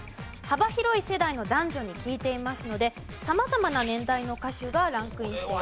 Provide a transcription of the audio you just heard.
幅広い世代の男女に聞いていますので様々な年代の歌手がランクインしています。